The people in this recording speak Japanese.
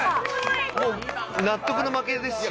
もう納得の負けですし。